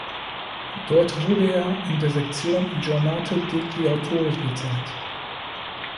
Dort wurde er in der Sektion Giornate degli Autori gezeigt.